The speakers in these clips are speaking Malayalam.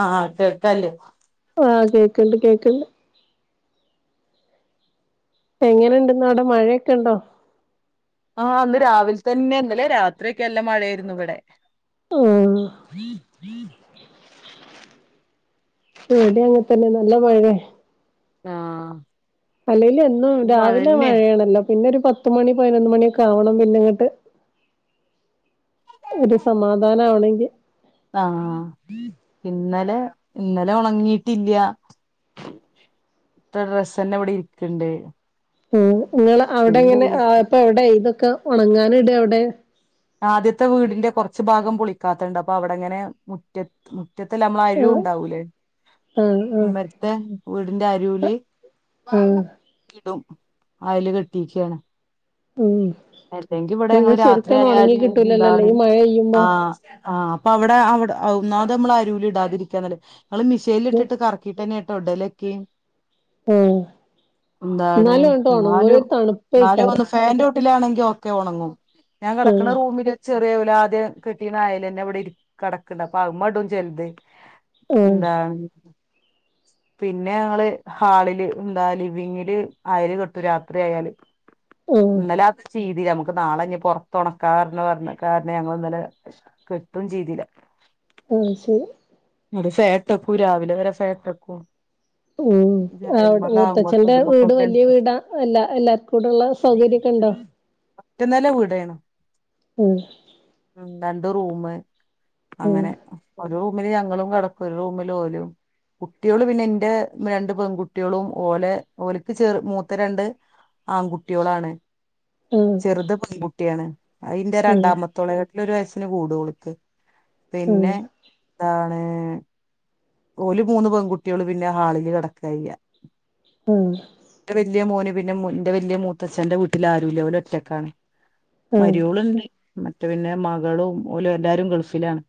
ആ കേക്കാലെ ആ കേക്ണ്ട് കേക്ക്ണ്ട് എങ്ങനെ ഇണ്ടിന്ന് അടെ മഴക്കെ ണ്ടോ ആ ഇന്ന് രാവിലെ തന്നെ എന്നലെ രാത്രിയൊക്കെ നല്ല മഴയായിരുന്നു ഇവിടെ ആ ഇവിടെ അങ്ങനെതന്നെ നല്ല മഴയാ ആ അല്ലേലും എന്നും രാവിലെ മഴയാണല്ലോ പിന്നെ ഒരു പത്തുമണി പതിനൊന്ന് മണിയൊക്കെ ആവണം പിന്നെ അങ്ങോട്ട് ഒരു സമാധാനം ആവണെങ്കി ആ ഇന്നലെ ഇന്നലെ ഉണങ്ങിട്ടില്ല ഇട്ട ഡ്രസ്സന്നെ ഇവിടെ ഇരിക്കണ്ട് ഉം നിങ്ങള് അവിടെ എന്ന് എങ്ങനെ ഇപ്പൊ എവടെ ഒക്ക ഉണങ്ങാനനിട എവിടെ ആദ്യത്തെ വീടിന്റെ കുറച്ച് ഭാഗം പൊളിക്കാത്തണ്ട് അപ്പൊ അവിടെങ്ങനെ മുറ്റത്ത് മുറ്റത്തല്ല നമ്മൾ അരു ആഹ് ഉണ്ടാവൂലേ ആഹ് ആഹ് മേ രത്തെ വീടിന്റെ അരുല് ആഹ് ഇടും അയല് കെട്ടിക്കയാണ് ഉം പിന്നെ രാത്രി ശരിക്കൊന്ന് ഉണങ്ങി ആയാല് കിട്ട് എന്താണ് ആ ആ അപ്പ അവിടെ അവിടെ ഔ ഒന്നാമത് അമ്മള് അരൂല് ഇടാതിരിക്കാ നല്ല ങ്ങള് മെഷീനിൽ ഇട്ട്ട്ട് കറക്കിയിട്ടെന്നെ എട് തൊടലക്കെ ആഹ് എന്താണ് എന്നാലും അങ്ങട്ട് ഒണങ്ങൂല ന്നാലും ഒരു ന്നാലും തണുപ്പേക്കാരം ഒന്ന് ഫാൻൻ്റെ ചോട്ട് വീട്ടിലാണെങ്കിൽ ഒക്കെ ഉണങ്ങും ക്കണേ ആഹ് റൂമില് ചെറിയ ഓല് ആദ്യം കെട്ടീണെ അയലന്നെ ഇവിടെ ഇരിക്ക കടക്കണ്ട് അപ്പൊ അതുമ്മെടും ചെലത് ആഹ് എന്താണ് പിന്നെ ഞങ്ങള് ഹാളില് ഉം ആഹ് ഇന്നലെ രാത്രി ചെയ്തില്ലനമുക്ക് നാളെ ഇനി പൊറത്തൊണക് കാരണ പറഞ്ഞ കാരണം ഞങ്ങൾ ഇന്നലെ കിട്ടും ചെയ്തില്ല ആ ശരി നട്ട് ഫാൻ ഇട്ടെക്കും രാവിലെ വരെ ഫാൻ ഇട്ട് വെക്കും ഉം അവടെ മൂത്തച്ഛന്റെ വീട് ഇതുമ്മക്കൊക്കെ വലിയ വീടാ എല്ല എല്ലാർക്കും കൂടെള്ള സൗകര്യൊക്കെ ഉണ്ടോ ഒറ്റ നല്ല വീടയാണ് [unintelligible] ഉം രണ്ടു റൂമ് ഉം അങ്ങനെ ഓരോ ഇന്നലെ രാവിലെ ങ്ങളും കടക്കും ഒരു റൂമിൽ ഓലും കുട്ടികള് പിന്നെ ന്റെ രണ്ട് പെൺകുട്ടികളും ഓല ഓലക്ക് ചെർ മൂത്ത രണ്ട് ആൺകുട്യോളാണ് ഉം ചെറുത് പെൺകുട്ടിയാണ് അയിന്റെ രണ്ടാമത്തോളെ ൻ്റെ ഒരു വയസ്സിന് കൂടും ഓൾക്ക് ഉം ഉം പിന്നെ ന്താ ഏഹ് ഓല് മൂന്ന് പെൺകുട്ടികള് പിന്നെ ഹാളില് കെടക്കാ ചെയ്യാ ഉം ൻ്റെ വല്ല്യ മോനും പിന്നെ മു ന്റെ വലിയ മൂത്തച്ഛന്റെ വീട്ടിൽ ആരൂല ഓല് ഒറ്റക്കാണ് ഉം മരുവോളുണ്ട് മറ്റ് പിന്നെ മകളും ഓലും എല്ലാരും ഗൾഫിലാണ്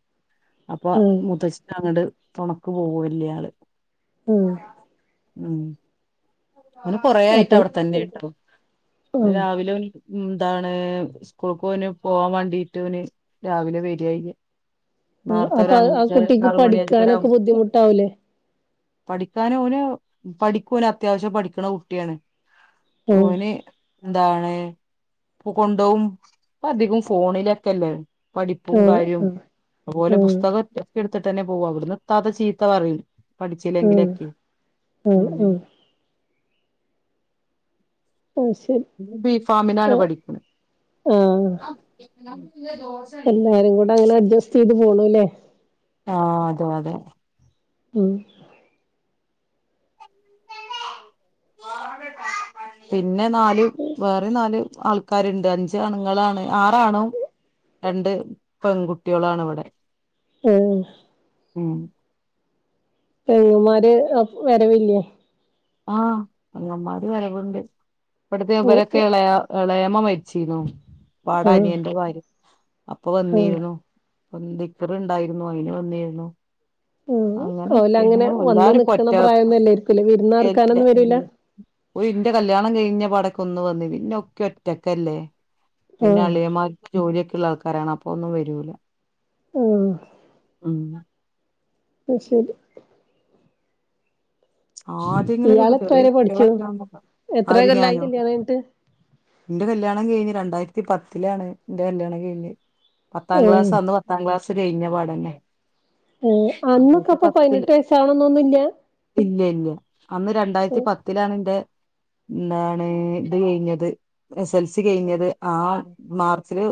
അപ്പൊ ഉം മൂത്തച്ചിക്കങ്ങട് തൊണ ക്ക് പോവൂല്ലാള് ഉം ഉം ഓന് കൊറേ ആയിട്ട് അപ്പം അവിടെ തന്നേണ്പ്പം ഉം രാവിലെ ഉം താണ് സ്കൂള്ക്കോന് പോവാൻ വാണ്ടിട്ടോന് രാവിലെ വരെയ്യാ ഉം അപ്പൊ ആ കുട്ടിക്ക് പഠിക്കാനൊക്കെ ബുദ്ധിമുട്ടാവൂലേ പഠിക്കാനവന് പഠിക്കൊന അത്യാവശ്യം പഠിക്ക്ണ കുട്ടിയാണ് ഉം ഓന് എന്താണ് പ്പ കൊണ്ടോവും ഇപ്പ അധികം ഫോണിലൊക്കെല്ലേ പഠിപ്പും ഉം കാര്യവും ഉം അതുപോലെ ഉം പുസ്തകൊക്കെ എട് ത്ത്ട്ടന്നെ പോവാ ഇവിട്ന്ന് ഇതാത്ത ചീത്ത പറയും ഉം പഠിച്ചില്ലെങ്കിലൊക്കെ ഉം അത് ശരി ഞ്ഞ് ബി ഫാമിനാണ് ആഹ് പഠിക്ക്ണെ ആഹ് [unintelligible] എല്ലാരും കൂടെ അങ്ങനെ അഡ്ജസ്റ്റെയ്ത് പോണൂല്ലേ ആ അത്പോലെ ഉം പിന്നെ നാല് വേറിം നാല് ആൾക്കാര്ണ്ട് അഞ്ച് ആണുങ്ങളാണ് ആറാണും രണ്ട് പെൺകുട്ടിളാണ് ഇവിടെ ഓ ഉം പെങ്ങമാര് ആഹ് വരവില്ലേ ആ പെങ്ങമാര് വരവ്ണ്ട് ഇവ്ട്ത്തെ ഉം ഉം ഇവരെക്കെളയാ എളേമ്മ മരിച്ചിര്ന്നു പാടാ ആഹ് അനിയന്റെ കാര്യം അപ്പൊ ആഹ് വന്നീരുന്നു അപ്പം ദിക്കർ ഇണ്ടായിരുന്നു അയിന് വന്നിരുന്നു ആ അങ്ങനെയൊക്കെ ഓലങ്ങനെ അങ്ങനെ വന്ന് നിക്ക്ണ പ്രായൊന്നു അല്ലേയിരിക്കുല്ലേ വിരുന്നാർ ഇല്ല [unintelligible] ഓല്ന്റെ കല്യാണം കഴി കഴിഞ്ഞ പാടൊക്കെ ഒന്ന് വന്ന് പിന്നെ ഒക്കെ ഒറ്റക്കല്ലേ പിന്നെ ആഹ് അളിയന്മാർക്ക് ജോലിയൊക്കെള്ളാള്ക്ക് പറയണം അപ്പൊന്നും വരൂല ആ മ് അത് ശരി ആദ്യങ്ങളൊക്കെ ഇയാളെത്ര ചെറ വരെ പഠിച്ചു കേളക്ക എത്ര അര് കൊല്ലായി ഞാനോ കല്യാണം കഴിഞ്ഞിട്ട് എന്റെ കല്യാണം കഴിഞ്ഞ് രണ്ടായിരത്തി പത്തിലാണ് എന്റെ കല്യാണം കഴിഞ്ഞെ പത്താം ആഹ് ക്ലാസ് അന്ന് പത്താം ക്ലാസ് ഴിഞ്ഞ പാടന്നെ ഏ അന്നൊക്കെ അന്നത്തെ അപ്പൊ പതിനെട്ട് വയസ്സാവണന്നൊന്നുല്യാ പിന്നെ ഇല്ലേ അന്ന് രണ്ടായിരത്തി പത്തിലാണ് എന്റെ എന്താണ് ഇത് കഴിഞ്ഞത് എസ് എൽ സി കഴിഞ്ഞത് ആ മാർച്ചില്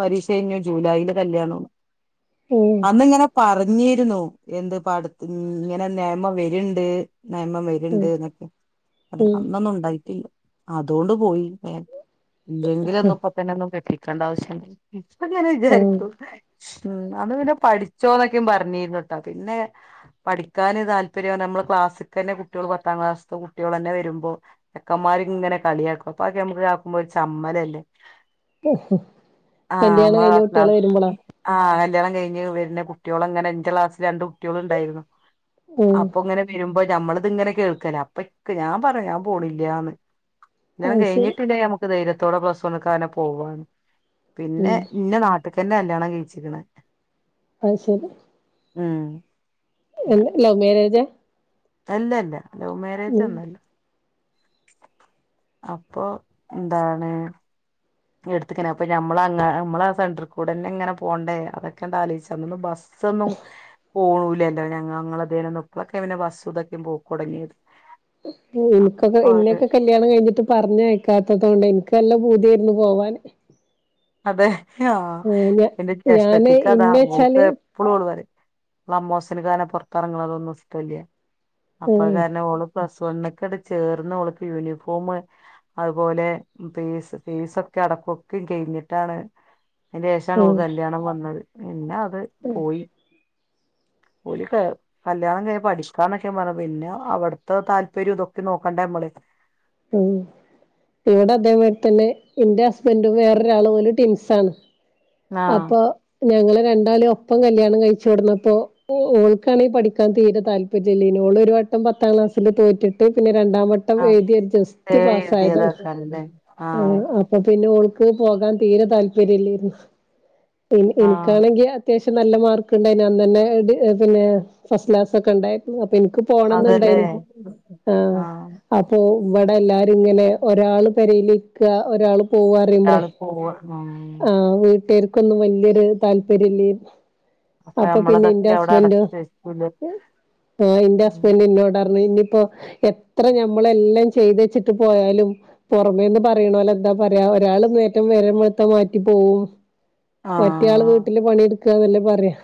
പരീക്ഷ കഴിഞ്ഞു ജൂലൈയില് കല്യാണോം ഉം അന്നിങ്ങനെ പറഞ്ഞ ഞ്ഞിരുന്നു എന്ത് പാട ഇങ്ങനെ നിയമം വരും ട്ട് നെയ്മം വരുണ്ട് എന്നൊക്കെ അതി ഉം അന്നൊന്നും ഉണ്ടായിട്ടില്ല അതുകൊണ്ട് പോയി ഇല്ലെങ്കിലും മുപ്പത്തെന്നൊന്നും കെട്ടി എക്കണ്ട ആവശ്യം അത് ഞാൻ ഉം ആഹ് വിചാരിച്ചു ഉ അന്ന് പിന്നെ പഠിച്ചോന്നൊക്കെ പറഞ്ഞിരുന്നു കേട്ടാ പിന്നെ പഠിക്കാന് താല്പര്യ നമ്മള് ക്ലാസ്സിക്ക് തന്നെ കുട്ടികൾ പത്താം ക്ലാസ് കുട്ടികൾ തന്നെ വരുമ്പോ ചെക്കന്മാര് ഇങ്ങനെ കളിയാക്കും അപ്പക്കെ നമ്മുക്ക് ആക്കുമ്പോ ഒരു ചമ്മലല്ലേ ആഹ് കല്യാണം നമ്മളെ കഴിഞ്ഞ ക്ലാസ്സില കുട്ടിയള് വരുമ്പോളാ ആഹ് കല്യാണം കഴിഞ്ഞ് വരുന്ന കുട്ടികളുംങ്ങനെ എൻ്റെ ക്ലാസ്സില് രണ്ട് കുട്ടികള്ണ്ടായിരുന്നു ഉം അപ്പൊങ്ങനെ മ്മള ഇത് ഇങ്ങനെ കേൾക്കല അപ്പൊ ഞാൻ പറ ഞാൻ പോണില്ലാന്ന് ഞാൻ അത് ശരി കഴിഞ്ഞിട്ടില്ലേ നമുക്ക് ധൈര്യം ത്തടെ പ്രസടുക്കന് പോവാണ് പിന്നെ ഉം ഇന്ന നാട്ട ഇട്ടക്കന്നെ കല്യാണം കഴിച്ചിരിക്കണ അത് ശരി ആഹ് എല ലവ്മേരേജാ അല്ലല്ല ഉം ലൗമേരേജൊന്നല്ല അപ്പൊ എന്താണ് എടുത്ത്ക്കണെ അപ്പ നമ്മളുംഅങ്ങ നമ്മള ആ സെന്റർകൂടന്നെ ങ്ങനെ പോണ്ടേ അതൊക്കണ്ട് ആലോയ്ച്ചപ്പ ബസ് സൊന്നും പോവൂലല്ലോ ഞങ്ങ ഞ്ഞങ്ങളതേനൊന്നും ഇപ്പൊക്കെ പിന്നെ ബസ്സും ഇതൊക്കെ പോക്കൊടങ്ങിയത് എനിക്കൊക്കെ അപ്പൊ അവര് എന്നൊക്കെ കല്യാണം കഴിഞ്ഞിട്ട് പറഞ്ഞയക്കാത്തോണ്ട് എനക്ക് നല്ലോം പൂതിയായിരുന്നു പോവാൻ അതെ ഹൊ എന്റെ ഞാന് ജേഷ്ത്തിക്കതാ ഇന്നേച്ചാല് ഓൾക്ക് എപ്പളും ഓള്പറയും ളഅമ്മോസൻക്കങ്ങനെ പൊറത്തെറങ്ങണതൊന്നും ഇസ്ട്ടല്യാ ആഹ് അപ്പകാരണം ഓള് പ്രസ് സ്വർണ്ണക്കടചേർന്ന് ഓൾക്ക് യൂണിഫോമ് അത്പോലെ ഫീസ് ഫീസൊക്കടക്കും ഒക്കെ കയ്ഞ്ഞി ട്ടാണ് അയ്‌ന്റെഷാണ് ഓൾക്ക് ആഹ് കല്യാണം വന്നത് പിന്നവ് ട്ട് പോയി ഒര് കെ കല്യാണം കൈ പഠിക്കാനൊക്കെപറ പിന്നെ അവട്ത്തെ താല്പര്യോം ഇതൊക്കെ നോക്കണ്ടെമ്മള് ഉം ഇവിടെ അതേമാതിരിതന്നെ എന്റെ ഹസ്ബൻഡും വേറൊരാളും പോലും ട്ടിൻസാണ് ആഹ് അപ്പൊ ഞങ്ങള് രണ്ടാളേം ഒപ്പംകല്യാണം കയ്ച്ചോട്ന്നപ്പൊ ഒ ഓൾക്കാണെങ്കി പഠിക്കാൻ തീരതാല്പര്യല്ലേനു ഓളൊരു വട്ടം പത്താംക്ലാസ്സില് തോറ്റ്ട്ട് പിന്നെ രണ്ടാംവട്ടം എഴുതിഎട് ഏ ജസ്റ്റ് പാസായതാണ് എഴുതിയതാക്കാരല്ലേ ആഹ് ഏഹ് അപ്പപിന്നെ ഓൾ ക്ക്‌ പോകാൻ തീരതാല്പര്യല്ലേര്ന്നു എനി ആഹ് എനിക്കാണെങ്കി അത്യാവശ്യം നല്ല മാർക്ക്ണ്ടായ്നു അന്നന്നേ ത് പിന്നെ ഫസ്റ്റ്ക്ലാസൊക്കെ ഉണ്ടായിരുന്നു എനിക്ക് അതല്ലേ പോണംന്നുണ്ടായിന് ആ ആഹ് അപ്പൊ ഇവിടെ എല്ലാരും ഇങ്ങനെയാ ഒരാള് പെരേലിക്കാ ഒരാള് പോവാറിയുമ്പളെ ഒരാള് പോവ ഉം ആഹ് വീട്ടേര് ഒന്നും വല്യോര് താല്പര്യല്ലേര്ന്നു അപ്പൊ പിന്നെ നമ്മളതൊക്കെ അവിടെ ന്റെഹസ്ബന്റോ അടച്ച് വെക്കൂലേ ആ എന്റെ ഹസ്ബന്റിനോട് അ കാരണം ഇനിയിപ്പോ എത്ര ഞമ്മള് എല്ലാം ചെയ്തേച്ചിട്ട് പോയാലും പുറമേ നിന്ന് പറയണര് എന്താ പറയാ ഒരാളെ [unintelligible] നേരം വെളുത്ത് മാറ്റിപ്പോവും മറ്റേയാള് ആഹ് വീട്ടില് പണിയെടു അതല്ലേ പറയാ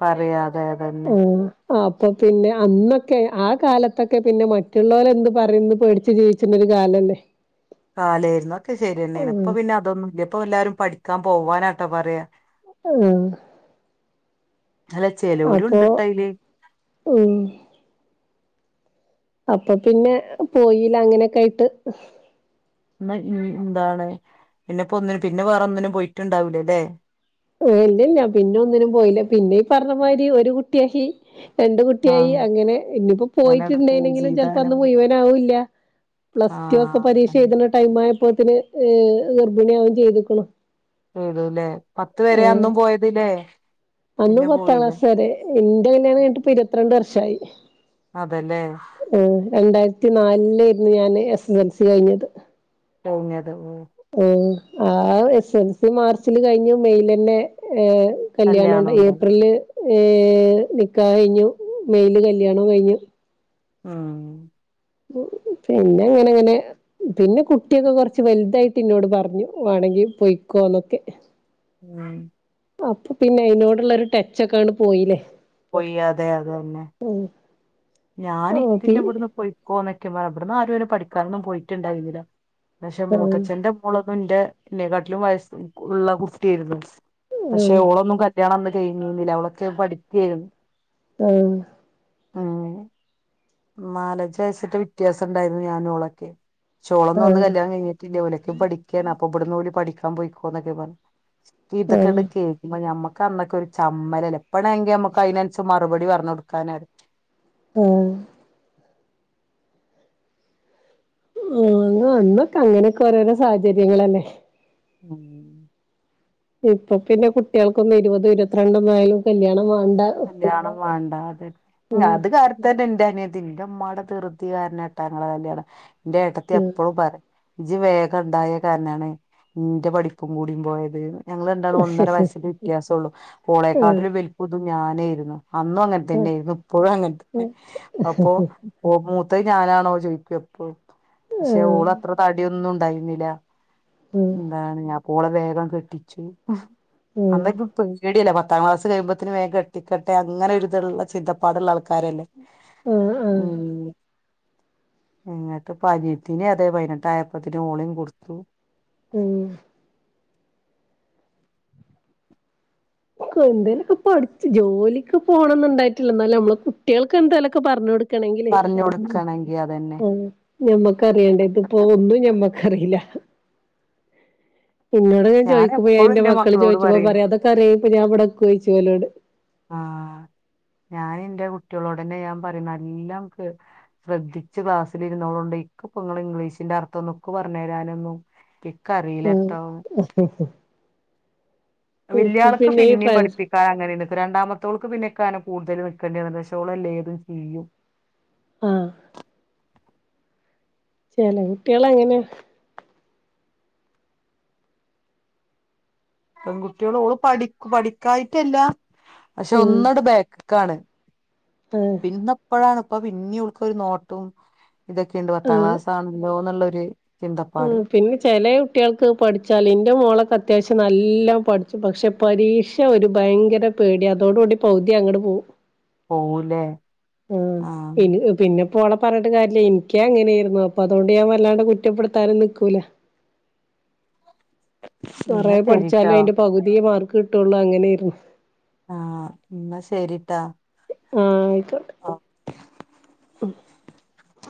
പറയാതെ അതന്നെ ആഹ് അപ്പൊ പിന്നെ അന്നൊക്കെ ആകാലത്തൊക്കെ പിന്നെ മറ്റുള്ളവരെ എന്ത് പറയുന്നു പേടിച്ചു ജീവിച്ചിരുന്ന ഒരു കാലല്ലെ കാലേയ്ര്ന്നു അഒക്കെ ശരിയെന്നേണ് ഇപ്പ പിന്നെ അതൊന്നുംല്ല ഇപ്പ എല്ലാരും പഠിക്കാൻ പോവാനാട്ടോ പറയാ ഉ അല്ല ചെലോരുണ്ട്ട്ടോ അയ്ല് ഉം അപ്പൊ പിന്നെ പോയില അങ്ങനെക്കെയ്ട്ട് ന്ന ൻ ന്താണ് പിന്നെപ്പോ ഒന്നിനും പിന്നെ വേറെ ഒന്നിനും പോയിട്ടുണ്ടാവൂലലെ ഇല്ലല്ല്യ പിന്നെ ഒന്നിനും പോയില്ല പിന്നെ പറഞ്ഞ മാതിരി ഒരു കുട്ട്യാഹി രണ്ട് കുട്ട്യായി ആഹ് അങ്ങനെ ഇനിപ്പോ അങ്ങനട് പോയി പോയിട്ടുണ്ടായിനെങ്കിലും ചെലപ്പോ ചെയ്താനം അന്ന് മുയുവനാവുല്ല പ്ലസ് ടു ഒക്കെ ആഹ് പരീക്ഷ അതന്നെ എഴുത്ണ ടൈമായപ്പോത്ത്ന് ഏ ഗർഭിണിയാവും ചെയ്തുക്ണു ചെയ്തൂലേ ആ അന്ന് പിന്നെ പത്താം പോയില്ലേ ക്ലാസ് വരെ ന്റെ കല്യാണം കഴിഞ്ഞിട്ടിപ്പ ഇരത്രണ്ട് വർഷായി അതേല്ലേ ആഹ് രണ്ടായിരത്തി നാല് ലേയിര്ന്നു ഞാന് എസ്എസ്എൽസി കഴിഞ്ഞത് [unintelligible] ഊം ആ എസ്എൽസി മാർച്ചില് കഴിഞ്ഞു മെയ്ലെന്നെ ഏഹ് കല്യാണം ഒണ്ട് ഏപ്രിൽല് ഏ നികാഹയ്ഞ്ഞു മെയില് കല്യാണോം കയ്ഞ്ഞു ആണോ പിന്നെ അങ്ങനെഅങ്ങനെ പിന്നെ കുട്ടിയൊക്കെ കൊറ്ച്ച് വൽതായിട്ട് ഇന്നോട് പറഞ്ഞു വാണെങ്കി പൊയ്ക്കോന്നൊക്കെ ഉം അപ്പൊ പിന്നെ അയ്നോട്ള്ള ഒര് ട്ടച്ചൊക്കെ അങ്ങട്ട് പോയീലേ പോയി അതെ അതെന്നെ ഞാൻ ആ പി ഇത്തിന്റെ ഇവിടെന്ന് പാെയ്ക്കോളെ മാ ഇവ്ട്ന്നാരും അയ്ന് പഠിക്കാനൊന്നും പോയിട്ട്ണ്ടായ്ര്ന്നില്ല പക്ഷെ ആഹ് മൂത്തച്ഛന്റെ മോള് ന്റെ ഇന്നെകാട്ടിലും വയസ് ഉള്ള കുട്ട്യേയ്ര്ന്നു പക്ഷെ ഓളൊന്നും കല്യാണം കയ്ഞ്ഞീന്നില്ല അവളൊക്കെ പഠിക്കേയ്ര്ന്നു ആ ആ നാലഞ്ചയസറ്റെ വിത്യാസണ്ടായ്ര്ന്നു ഞാനും ഓളൊക്കെ ചോളംന്ന്ന്ന് പറ്ഞ്ഞ് ആഹ് കല്യാണം കഴിഞ്ഞിട്ടില്ല ഓലൊക്കെ പഠിക്കാണ് അപ്പ ഇബട്ന്ന് ഓല് പഠിക്ക സംഭവിക്കാേന്നൊക്കെപ്പ ഈതൊക്കെണ്ട് ആഹ് കേക്കുംമ്പ ഞമ്മ [unintelligible] അന്നൊക്കെരു ചമ്മ [unintelligible] [unintelligible] അയ്നൻ സമാ മറുപടി പർഞ് കൊടുക്കാ [unintelligible] ആ ആ അന്ന് അന്നൊക്കെ അങ്ങനെക്കെ ഓരോ സാഹചര്യങ്ങളല്ലേ ഉം ഇപ്പ പിന്നെ കുട്ടികൾക്കോന്നും ഇരുപതും ഇരുപത്രണ്ടെന്നായാലും കല്യാണം വാ കല്യാണം വേണ്ട അതെന്നെ അത് കാര്യം തന്നെ എന്റെ അനിയത്തി. എന്റെ ഉമ്മടെ ധൃതി കാരണട്ടോ ഞങ്ങടെ കല്യാണം. എന്റെ ഏട്ടത്തി ഉം എപ്പോഴും പറയും. ഇജ് വേഗം ഉണ്ടായ കാരണാണ് ഇന്റെ പഠിപ്പും കൂടും പോയത് എന്ന്. ഞങ്ങള് രണ്ടാളും ആഹ് ഒന്നര വയസ്സിന്റെ വ്യത്യാസവുള്ള ആഹ് ഓളെക്കാട്ടിലും വലുപ്പം തോന്നും. ഞാനെയിരുന്നു അന്നും അങ്ങനെ ആഹ് തന്നെയായിരുന്നു, ഇപ്പോഴും അങ്ങനെ തന്നെ അപ്പൊ പോകുമ്പോ. അത് ഞാനാണോ എന്ന് ചോദിക്കും എപ്പോ. പക്ഷെ ഓള് അത്ര താടിയൊന്നും. തായിഞ്ഞില്ല ആഹ് എന്താണ് ഞാൻ ഓളെ. വേഗം കെട്ടിച്ച് അന്നൊക്കെ പേടിയല്ലേ പ പത്താം ക്ലാസ്സ് കഴിയുമ്പോ. ത്തിന് വേഗം കെട്ടിക്കട്ടെ അങ്ങനെ ഒരു ഇതുള്ള ചിന്തപ്പാടുള്ള ആൾക്കാരല്ലേ. ആഹ് ആഹ് ഉം നിങ്ങൾക്ക് പരീട്ടീനെ അതെ പതിനെട്ട് ആയിപ്പേത്തെന്ന് ഓളെയും കൊടുത്തു. ഉം എന്തേലൊക്കെ പഠിച്ചു ജോലിക്ക് പോകണന്നുണ്ടായിട്ടില്ല എന്നാലും നമ്മള് കുട്ടികൾക്ക് എന്തായാലൊക്കെ പറഞ്ഞ് കൊടു പറഞ്ഞു കൊടുക്കണെങ്കി അതെന്നെ. ആഹ് ഞമ്മക്കറിയണ്ടേ ഇതിപ്പോ ഒന്നും ഞമ്മക്കറിയില്ല. ഇന്നോട് എങ്ങാൻ ചോദിക്കുമ്പോ ഞാൻ എപ്പോഴും എന്റെ മക്കള് മക്കളോട് ചോയിച്ചപ്പോ പറയും പറയാ അതൊക്കെ അറിയാ പിന്നെ ഞാൻ ഇപ്പ ഇവടെ നിക്കോ ചോയിച്ച്. [unintelligible] ആഹ് ഞാൻ എന്റെ കുട്ടികളോടന്നെ ഞാൻ പറയും നല്ലാം കേ ശ്രദ്ധിച്ച് ക്ലാസ്സിലിരുന്നോളോണ്ട് എനിക്ക് ഇപ്പ ഇങ്ങളെ ഇംഗ്ലീഷിന്റെ അർത്ഥം ഒന്നും ഇക്ക് പറഞ്ഞു തരാനൊന്നും കറിയില്ലാ ആഹ് ട്ടോ. ഇപ്പൊ വല്ല്യാൾക്ക് പിന്നെ ഈ പിന്നെയും ട്രാൻസ് പഠിപ്പിക്കാൻ അങ്ങനെ [unintelligible] രണ്ടാമത്തോൾക്ക് പിന്നെ കാനം കൂടുതല് നിൽക്കേണ്ടിവന്നത് [unintelligible] ചെയ്യും. ആഹ് ചെല കുട്ടികള് അങ്ങനെയാ. പെൺകുട്ടികളോള് ഓള് പഠി പഠിക്കാനിട്ടല്ല പക്ഷെ ഉം ഒന്നൂടെ ബാക്ക് ക്കാണ് ആഹ് പിന്നെപ്പഴാണ് അപ്പൊ പിന്നെ ഓൾക്കൊരു നോട്ടവും ഇതൊക്കെയുണ്ട് പത്താം ക്ലാസാണല്ലോ എന്നുള്ള ര് [unintelligible] ഉം പിന്നെ ചിലേ കുട്ടികൾക്ക് പഠിച്ചാല് എന്റെ മോളൊക്കെ അത്യാവശ്യം നല്ലാം പഠിച്ചു പക്ഷെ പരീക്ഷ ഒരു ഭയങ്കര പേടി അതോടുകൂടി പകുതിയും അങ്ങട്ട് പോവും പോവൂല്ലേ ആഹ പിന്നങ്ങ് പിന്നെ ഓളെ പറഞ്ഞിട്ട് കാര്യില്ല എനിക്കാ അങ്ങനെയായിരുന്നു അപ്പൊ അതുകൊണ്ട് ഞാൻ വല്ലാണ്ട് കുറ്റപ്പെടുത്താനും നിക്കൂല കൊറേ എന്നാ ശരിട്ടാ പഠിച്ചാലും അതിന്റെ പകുതിയെ മാർക്ക് കി കിട്ടുള്ളൂ അങ്ങനെയായിരുന്നു ആഹ എന്നാ ശരിട്ടാ ആഹ [inaudible]